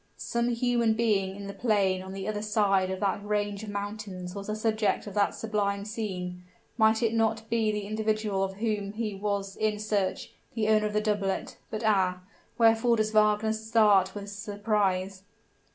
Some human being in the plain on the other side of that range of mountains was the subject of that sublime scene; might it not be the individual of whom he was in search, the owner of the doublet? But, ah! wherefore does Wagner start with surprise?